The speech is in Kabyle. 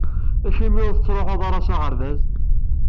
Acimi ur tettruḥuḍ ara s aɣerbaz?